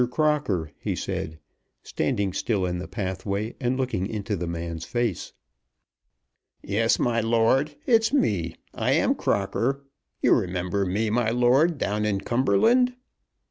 Crocker," he said, standing still in the pathway and looking into the man's face. "Yes, my lord; it's me. I am Crocker. You remember me, my lord, down in Cumberland?"